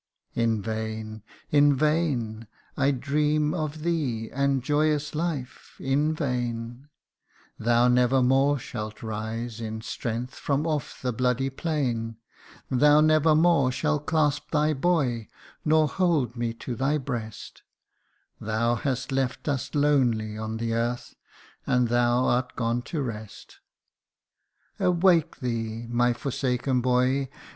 ' In vain, in vain I dream of thee and joyous life in vain ; Thou never more shalt rise in strength from off the bloody plain ; Thou never more shalt clasp thy boy, nor hold me to thy breast : Thou hast left us lonely on the earth, and thou art gone to rest. ' Awake thee, my forsaken boy